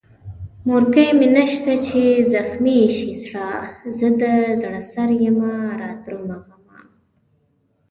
مورکۍ مې نسته چې زخمي يې سي زړه، زې دزړه سريمه رادرومه غمه